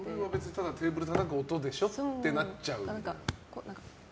ただテーブルたたく音でしょってなっちゃう？